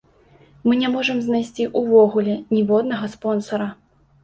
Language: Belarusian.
Мы не можам знайсці ўвогуле ніводнага спонсара.